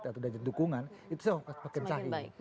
atau derajat dukungan itu semakin baik